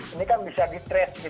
ini kan bisa di trace